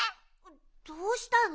どうしたの？